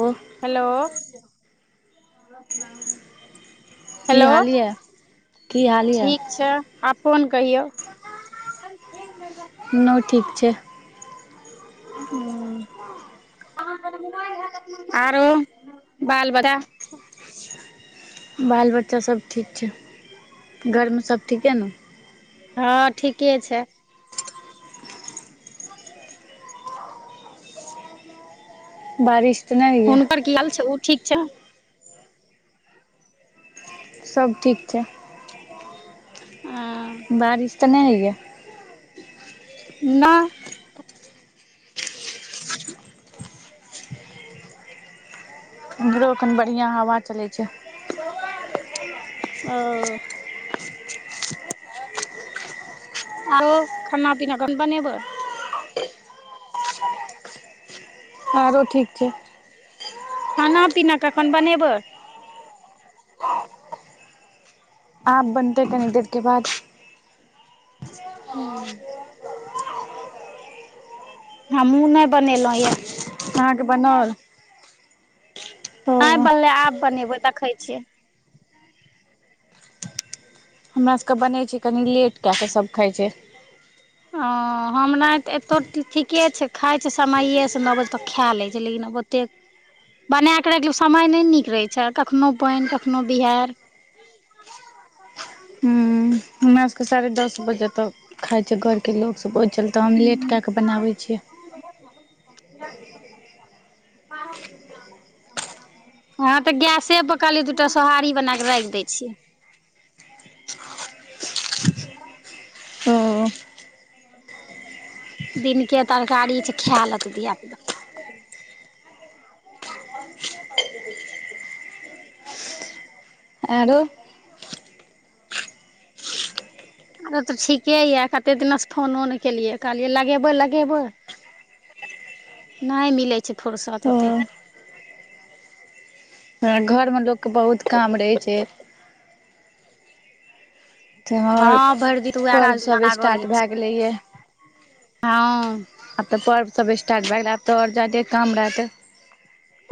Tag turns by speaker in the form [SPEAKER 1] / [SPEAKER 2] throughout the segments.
[SPEAKER 1] व।
[SPEAKER 2] हेलो।
[SPEAKER 1] की
[SPEAKER 2] हेलो
[SPEAKER 1] हाल यऽ की हाल यऽ
[SPEAKER 2] ठीक छै अपन फोन कहियौ [unintelligible]
[SPEAKER 1] नहि ठीक छै।
[SPEAKER 2] ह। आरो बाल बाद।
[SPEAKER 1] बाल बच्चा सभ ठीक छै घरमे सभ ठीके ने
[SPEAKER 2] हँ ठीके छै। [inaudible] ह
[SPEAKER 1] बारिश तऽ नहि होइए
[SPEAKER 2] हुनकर की हाल छै उ ठीक छै
[SPEAKER 1] सब ठीक छै
[SPEAKER 2] हाॅं
[SPEAKER 1] बारिश तऽ नै होए या
[SPEAKER 2] ना
[SPEAKER 1] इमहरो अखन बढ़िआँ हवा चलै छै
[SPEAKER 2] ओ आओ खाना पीना कम बानेबय
[SPEAKER 1] आरो ठीक छै
[SPEAKER 2] खाना पीना कखन बनेबै
[SPEAKER 1] आप बनतै कनी देर के बाद
[SPEAKER 2] हँ हमहुँ नइ बनेलहुॅं यऽ
[SPEAKER 1] अहाँके बनोल
[SPEAKER 2] [unintelligible] बनलै आब बनेबै देखै छियै
[SPEAKER 1] हमरा सभके बनै छै कनि लेट कए कऽ सभ खाइ छै
[SPEAKER 2] ओ हमरा तऽ एतऽ ठीके छै खाइ छै समयएसँ नओ बजे तक खा लै छै लेकिन [unintelligible] तेक बनाकऽ राखि लिय समय नहि नीक रहै छै कखनो पैन कखनो बिहैर
[SPEAKER 1] हमराासके साढ़े दस बजे तक खाइ छैिय घरके लोक सब ओहि चल तऽ हम लेट कए
[SPEAKER 2] हँ
[SPEAKER 1] कऽ बनाबै छियै [inaudible]
[SPEAKER 2] हँ तऽ गैसे पर कहलियै दू टा सोहारी बना कऽ रैख दै छियै
[SPEAKER 1] ओ
[SPEAKER 2] [inaudible] [unintelligible] दिनके तरकारी छै खाय लेत धिया पुता [inaudible] [inaudible]
[SPEAKER 1] आरो
[SPEAKER 2] अरो तऽ ठीके यऽ कतेक दिनासँ फोनो नै केलियै कहलियै लगेबै लगेबै नाय मिलै छै फुरसत
[SPEAKER 1] ओ
[SPEAKER 2] ओतेक
[SPEAKER 1] हं घर मे लोक के बहुत काम रहै छै त्यौहार
[SPEAKER 2] हँ भैर दिन त उएह काज
[SPEAKER 1] पर्वसभ
[SPEAKER 2] रहै
[SPEAKER 1] स्टार्ट भए
[SPEAKER 2] छै
[SPEAKER 1] गेलैए
[SPEAKER 2] हँ
[SPEAKER 1] आब तऽ पर्व सब स्टार्ट भए गेलै आब तऽ ओर जादे काम रहते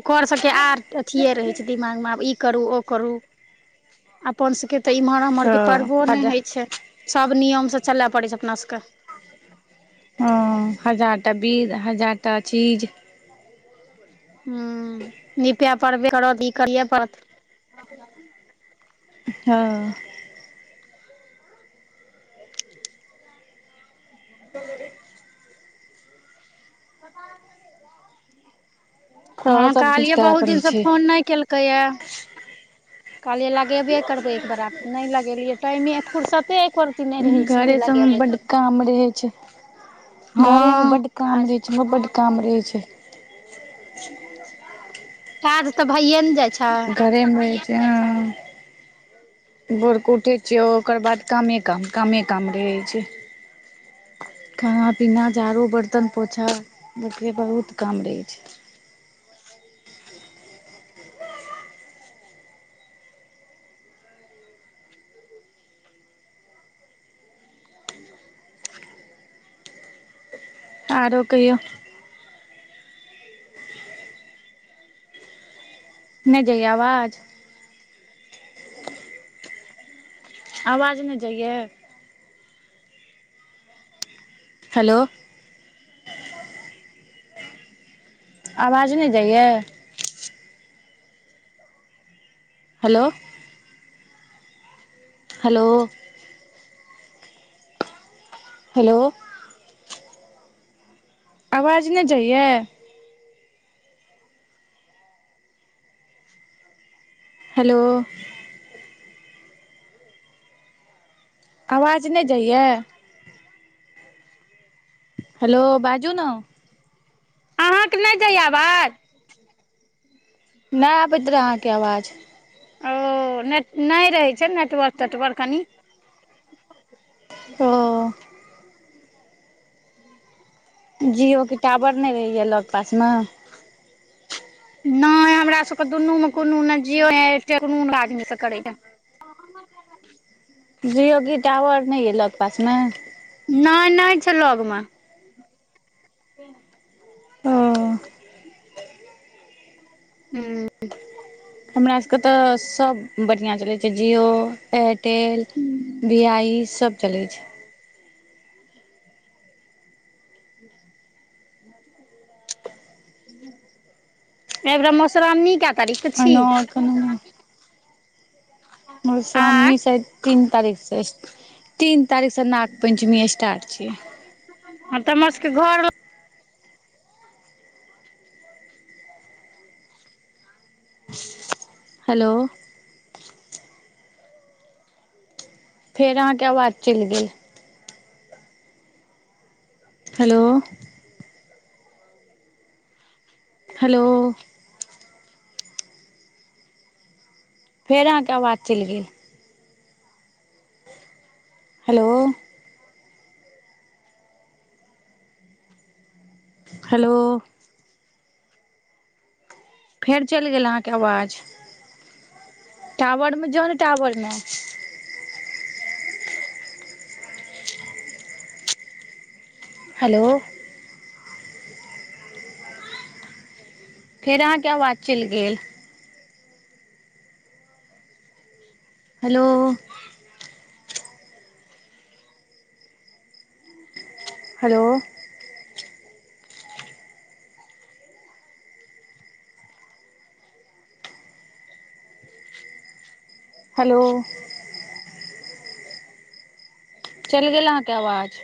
[SPEAKER 2] कर सबके आर अथियए रहै छै दिमागमे आब ई करू ओ करू अपन सबके तऽ इम्हर उम्हरके
[SPEAKER 1] हँ
[SPEAKER 2] पर्वो नहि
[SPEAKER 1] हजार
[SPEAKER 2] होइ छै सब नियमसँ चलय पड़ैत छै अपना सबके
[SPEAKER 1] हॅं हजार टा बिध हजार टा चीज
[SPEAKER 2] हुॅं निपय पड़बे करत ई कर पड़त [unintelligible]
[SPEAKER 1] हँ
[SPEAKER 2] [inaudible] [inaudible] [inaudible] प। हँ
[SPEAKER 1] सभकिछु
[SPEAKER 2] कहलियै
[SPEAKER 1] करय
[SPEAKER 2] बहुत
[SPEAKER 1] पड़ै
[SPEAKER 2] दिनसँ
[SPEAKER 1] छै
[SPEAKER 2] फोन नहि केलकैए। कहलियै लगेबे करबै एक बरा नहि लगेलियै टाइमे फुरसते एकर
[SPEAKER 1] घरे सभमे बड काम रहै छै घरे मे
[SPEAKER 2] हँ
[SPEAKER 1] बड़ काम रहे छै बड़ बड़ काम रहे छै।
[SPEAKER 2] यार त भइए ने जाइ छै
[SPEAKER 1] घरेमे रहै छै ह। भोर क उठै छियै ओकर बाद कामे काम कामे काम रहै छै। खाना पीना, झाड़ू, बर्तन, पोछा देखै बहुत काम रहै छै। आरो कहियौ। नहि जइय आवाज। आवाज नहि जाइयए। हेलो। आवाज नहि जाइए। हेलो। Hello hello. आवाज नहि जाइयए। हेलो आवाज नहि जाइयए हेलो, बाजू न
[SPEAKER 2] अहाँकेँ नहि जाइयए आवाज [unintelligible]
[SPEAKER 1] नहि आबैत रहे अहाँकेँ आवाज।
[SPEAKER 2] ओ ने नहि रहै छै नेटवर्क तेटवर्क कनि।
[SPEAKER 1] ओ। जीओ कऽ टावर नहि रहैया लग पास मे
[SPEAKER 2] नहि हमरा सभके दुनू मे कोनो ने जिओ, एयरटेल आदमी करे ह [unintelligible]
[SPEAKER 1] जिओ के टावर नहि हैं लग पास मे
[SPEAKER 2] नहि नहि छै लग पास में
[SPEAKER 1] ओ
[SPEAKER 2] [unintelligible] ह।
[SPEAKER 1] हमरा सभके तऽ सभ बढ़िआ चलै छै जिओ, एयरटेल बिआइ सभ चलै छै।
[SPEAKER 2] [inaudible] एहिबरा मशराम नि कऽ तारख
[SPEAKER 1] आनो।
[SPEAKER 2] आँय
[SPEAKER 1] मधुश्रावनी सैयद तीन तारीख सँ। तीन तारीख सँ नाग पञ्चमी स्टार्ट छै।
[SPEAKER 2] ह तऽ हमर सभके घर
[SPEAKER 1] हेलो। फेर अहाँकेँ आवाज चलि गेल। हेलो। हेलो। फेर अहाँकेँ आवाज चलि गेल हेलो हेलो फेर चलि गेल अहाँकेँ आवाज। टावरमे जाउ ने टाॉवरमे हेलो फेर अहाँकेँ आवाज चलि गेल हेलो। हेलो। हेलो। चलि गेल अहाँकेँ आवाज।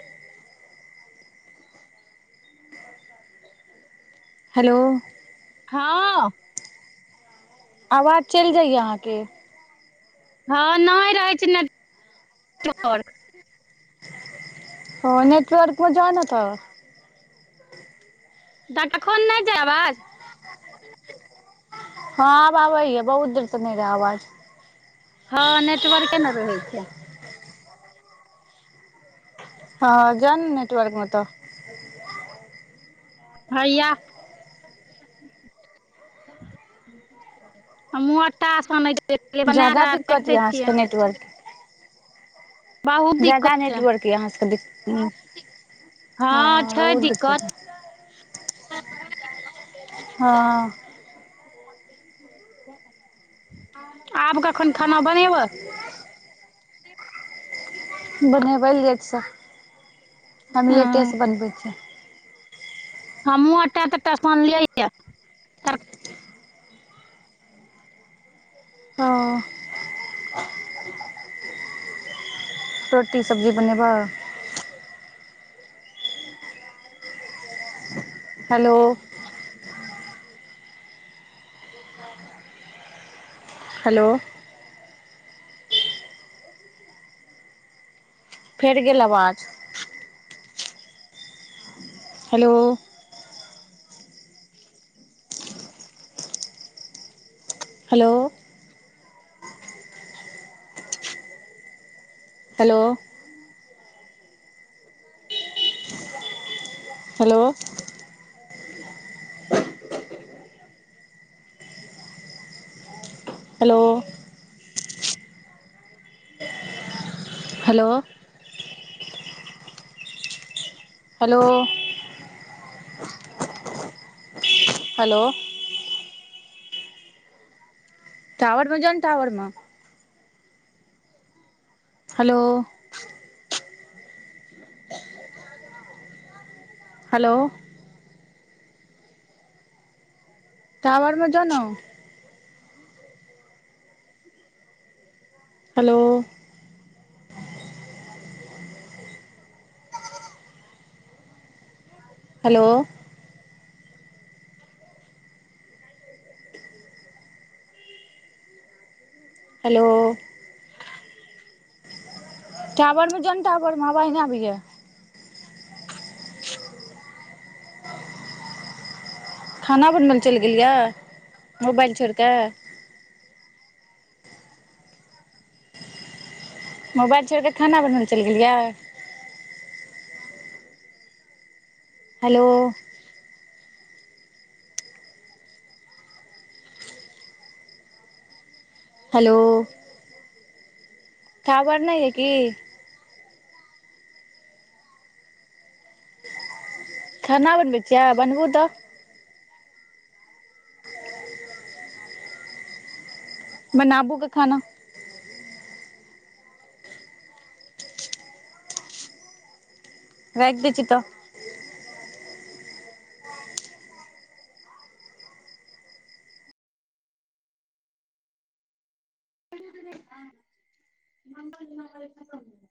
[SPEAKER 1] हेलो।
[SPEAKER 2] हँ
[SPEAKER 1] आवाज चलि जाइया अहाँकेँ
[SPEAKER 2] हँ नहि रहैत छै नेट वर्क
[SPEAKER 1] ओ नेटवर्क मे जोना तो।
[SPEAKER 2] डटा खन नहि छै आवाज
[SPEAKER 1] ह हँ आब आबै बहुत देर स नै रहिये आवाज
[SPEAKER 2] हँ नेटवर्के के नहि रहै छै।
[SPEAKER 1] हँ जान नेटवर्क मे तऽ।
[SPEAKER 2] हाइय हमहुँ आटा सनै छै बना
[SPEAKER 1] ज्यादा
[SPEAKER 2] कऽ राखि
[SPEAKER 1] दिक्कत यऽ
[SPEAKER 2] दै
[SPEAKER 1] अहाँ सबके
[SPEAKER 2] छिय
[SPEAKER 1] नेटवर्क
[SPEAKER 2] बहुत
[SPEAKER 1] जादा
[SPEAKER 2] दिक्कत छै
[SPEAKER 1] नेटवर्क यहाँ सभ ह
[SPEAKER 2] हँ छै
[SPEAKER 1] बहुत दिक्कत ह। हँ।
[SPEAKER 2] ह। आब कखन खाना ब
[SPEAKER 1] [unintelligible] बनेबै लेट से हम
[SPEAKER 2] हँ
[SPEAKER 1] लेटेसँ बनबै छि
[SPEAKER 2] हमहूँ एटा तटा सुनलियै ह।
[SPEAKER 1] ह। रोटी सब्जी बनेब हेलो। हेलो। फेर गेल आवाज hello. Hello. Hello. Hello. Hello. Hello. Hello. Hello. Tower मे जउ ने टावर मे हेलो। हेलो। टावर मे जो ना। हेलो हेलो हेलो टावर मे जोन टावर मे अवाज न आबै हियै। खाना बनबै लए चलि गेल यऽ मोबाइल छोड़िके मोबाइल छोड़िके खाना बनबैल चलि गेलियै? हेलो। हेलो टावेर नय यै की खाना बनबै छियै बनबू तऽ। बनाबू ग खाना राखि दै छी तऽ
[SPEAKER 2] म म [unintelligible] कम [inaudible]